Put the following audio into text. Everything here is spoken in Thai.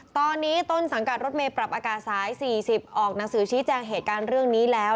ตอนนี้ต้นสังกัดรถเมย์ปรับอากาศสาย๔๐ออกหนังสือชี้แจงเหตุการณ์เรื่องนี้แล้ว